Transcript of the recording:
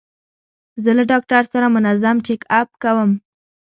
زه له ډاکټر سره منظم چیک اپ کوم.